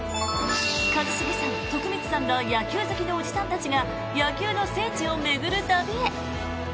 一茂さん、徳光さんら野球好きのおじさんたちが野球の聖地を巡る旅へ。